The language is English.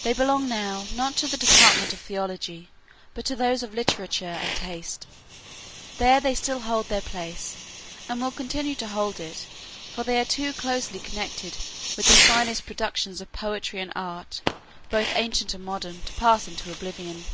They belong now not to the department of theology, but to those of literature and taste. There they still hold their place, and will continue to hold it, for they are too closely connected with the finest productions of poetry and art, both ancient and modern, to pass into oblivion.